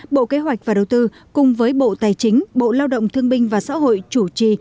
bộ kế hoạch và đầu tư cùng với bộ tài chính bộ lao động thương binh và xã hội chủ trì